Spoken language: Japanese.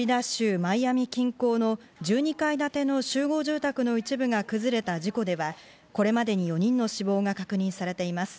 マイアミ近郊の１２階建ての集合住宅の一部が崩れた事故では、これまでに４人の死亡が確認されています。